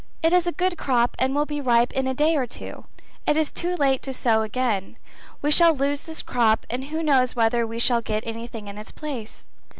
it is a good crop and will be ripe in a day or two; it is too late to sow again, we shall lose this crop and who knows whether we shall get anything in its place?"